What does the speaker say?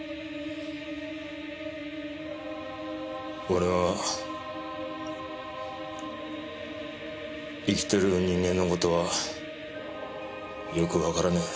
俺は生きてる人間の事はよくわからねえ。